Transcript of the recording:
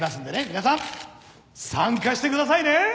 皆さん参加してくださいね！